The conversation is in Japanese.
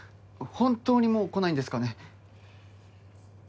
本当にもう来ないんですかね？